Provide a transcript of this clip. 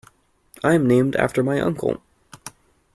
I'm named after my uncle.